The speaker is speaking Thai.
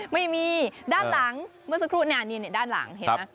ไม่มีด้านหลังเมื่อสักครู่เนี่ยด้านหลังเห็นไหม